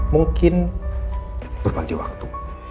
mungkin berbagi waktu